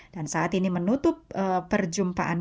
dan saat ini menutup perjumpaan